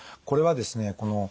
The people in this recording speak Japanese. これはですね